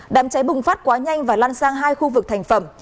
đám cháy bùng phát quá nhanh và lan sang hai khu vực thành phẩm